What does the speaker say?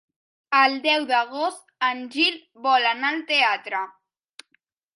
El deu d'agost en Gil vol anar al teatre.